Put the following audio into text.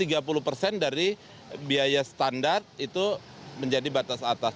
jadi biaya standar itu menjadi batas atas